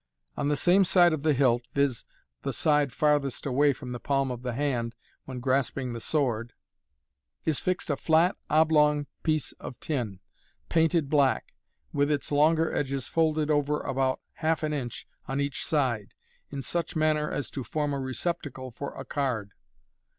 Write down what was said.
On the same side of the hilt — viz., the side farthest away from the palm of the hand when grasping the sword (see Fig. 43) — is fixed a flat, oblong piece of tin, painted black, with its longer edges folded over about half an inch on each side, in such manner as to form a receptacle for a card.